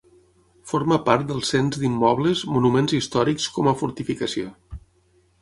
Forma part del cens d'immobles Monuments Històrics com a fortificació.